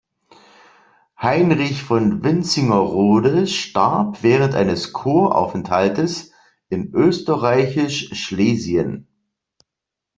Heinrich von Wintzingerode starb während eines Kuraufenthaltes in Österreichisch-Schlesien.